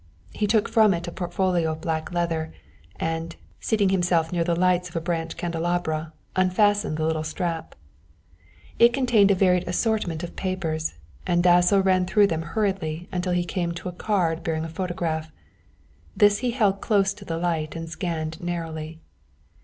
He took from it a portfolio of black leather, and, seating himself near the lights of a branch candelabra, unfastened the little strap. It contained a varied assortment of papers, and Dasso ran through them hurriedly until he came to a card bearing a photograph. This he held close to the light and scanned narrowly.